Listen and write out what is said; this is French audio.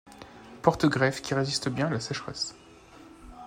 Porte greffe qui résiste bien à la sécheresse.